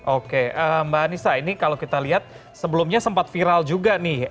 oke mbak anissa ini kalau kita lihat sebelumnya sempat viral juga nih